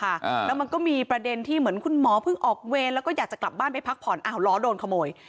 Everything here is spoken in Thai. อ่าแล้วมันก็มีประเด็นที่เหมือนคุณหมอเพิ่งออกเวรแล้วก็อยากจะกลับบ้านไปพักผ่อนอ้าวล้อโดนขโมย